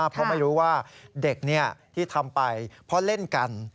เพราะไม่รู้ว่าเด็กที่ทำไปเพราะเล่นกัน